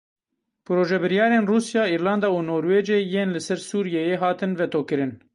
Projebiryarên Rûsya, Îrlanda û Norwêcê yên li ser Sûriyeyê hatin vetokirin.